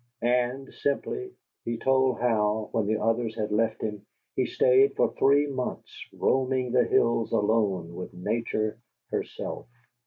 And, simply, he told how, when the others had left him, he stayed for three months roaming the hills alone with Nature herself.